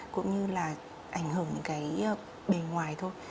cũng như là ảnh hưởng cái bề ngoài thôi